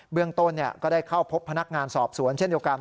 เรื่องต้นก็ได้เข้าพบพนักงานสอบสวนเช่นเดียวกัน